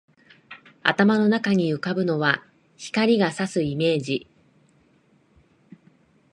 頭の中に浮ぶのは、光が射すイメージ